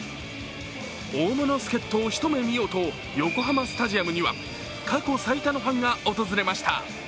大物助っとを一目見ようと横浜スタジアムには過去最多のファンが訪れました。